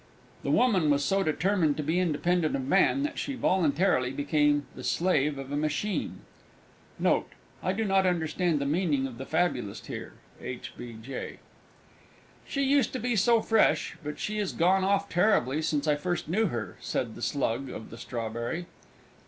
The Woman was so determined to be independent of Man that she voluntarily became the slave of a Machine. Note. I do not understand the meaning of the Fabulist here. H. B. J. "She used to be so fresh; but she is gone off terribly since I first knew her!" said the Slug of the Strawberry.